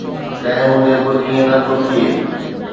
تنهن هوندي به ائين نه ٿو ٿئي.